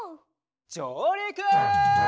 じょうりく！